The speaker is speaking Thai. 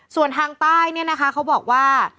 ส่วนทางใต้เนี่ยนะคะเขาบอกว่า